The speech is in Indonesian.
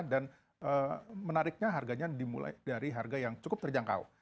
dan menariknya harganya dimulai dari harga yang cukup terjangkau